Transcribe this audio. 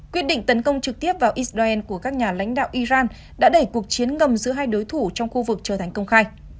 quyết định tấn công trực tiếp vào israel của các nhà lãnh đạo iran đã đẩy cuộc chiến ngầm giữa hai đối thủ trong khu vực trở thành công khai